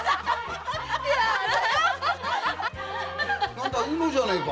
何だ卯之じゃねえか。